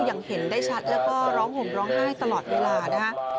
อย่างเห็นได้ชัดแล้วก็ร้องห่มร้องไห้ตลอดเวลานะฮะ